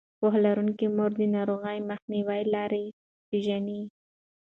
پوهه لرونکې مور د ناروغۍ مخنیوي لارې پېژني.